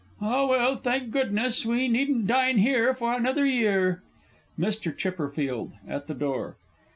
Ah, well, thank goodness, we needn't dine here for another year! MR. CHIPPERFIELD (at the door).